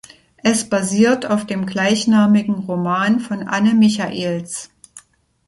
Es basiert auf dem gleichnamigen Roman von Anne Michaels.